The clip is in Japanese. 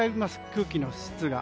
空気の質が。